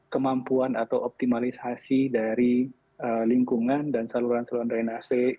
kemampuan atau optimalisasi dari lingkungan dan saluran saluran drainase